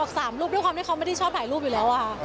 ๓รูปด้วยความที่เขาไม่ได้ชอบถ่ายรูปอยู่แล้วค่ะ